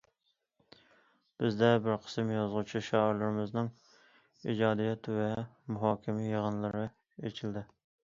بىزدە بىر قىسىم يازغۇچى، شائىرلىرىمىزنىڭ ئىجادىيەت ۋە مۇھاكىمە يىغىنلىرى ئېچىلدى.